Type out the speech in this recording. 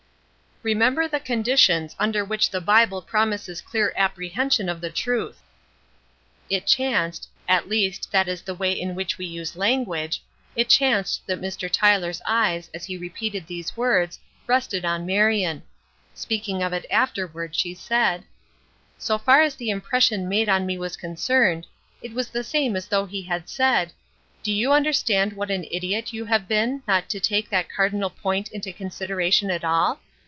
"Remember the conditions under which the Bible promise clear apprehension of the truth." It chanced at least that is the way in which we use language it chanced that Mr. Tyler's eyes as he repeated these words rested on Marion. Speaking of it afterward she said: "So far as the impression made on me was concerned, it was the same as though he had said: 'Do you understand what an idiot you have been not to take that cardinal point into consideration at all?